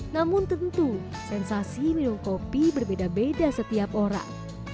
namun tentu sensasi minum kopi berbeda beda setiap orang